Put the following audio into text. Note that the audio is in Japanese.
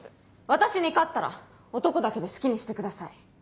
私に勝ったら男だけで好きにしてください。